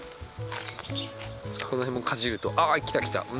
この辺をかじると、あー、きたきた。